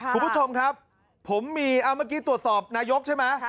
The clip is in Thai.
คุณผู้ชมครับผมมีเมื่อกี้ตรวจสอบนายกใช่ไหม